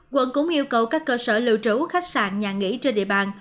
quận cũng yêu cầu các cơ sở lưu trú khách sạn nhà nghỉ trên địa bàn